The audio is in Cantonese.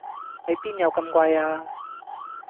你邊有咁貴呀